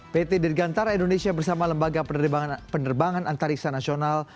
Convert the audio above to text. pt dirgantara indonesia bersama lembaga penerbangan antariksa nasional